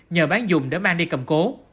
nhờ bán dùng để mang đi cầm cố